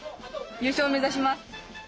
優勝目指します！